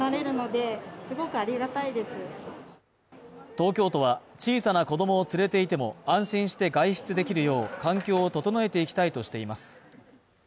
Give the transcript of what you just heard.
東京都は、小さな子供を連れていても安心して外出できるよう環境を整えていきたいとしています。